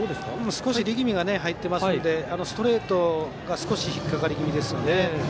少し力みが入っているのでストレートが少し引っ掛かり気味です。